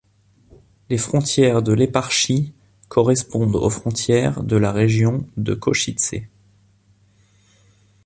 Les frontières de l'éparchie correspondent aux frontières de la région de Košice.